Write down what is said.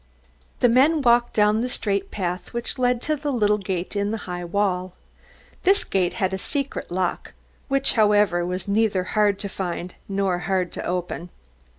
The men walked down the straight path which led to the little gate in the high wall. This gate had a secret lock, which, however, was neither hard to find nor hard to open.